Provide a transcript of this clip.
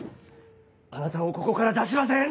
あなたをここから出しません！